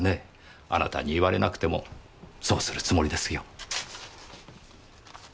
あなたに言われなくてもそうするつもりですよ。